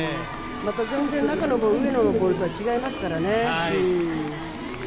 また全然上野のボールとは違いますからね。